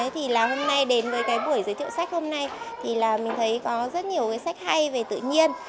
thì là hôm nay đến với buổi giới thiệu sách hôm nay thì mình thấy có rất nhiều sách hay về tự nhiên